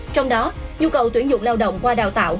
trong đó nhu cầu tuyển dụng lao động qua đào tạo